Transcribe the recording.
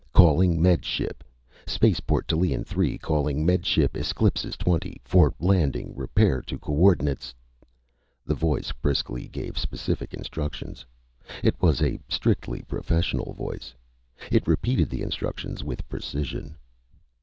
"_Calling Med Ship! Spaceport Tallien Three calling Med Ship Esclipus Twenty! For landing, repair to co ordinates _" The voice briskly gave specific instructions. It was a strictly professional voice. It repeated the instructions with precision.